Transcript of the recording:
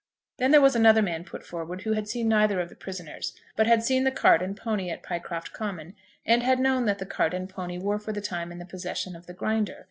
Then there was another man put forward who had seen neither of the prisoners, but had seen the cart and pony at Pycroft Common, and had known that the cart and pony were for the time in the possession of the Grinder.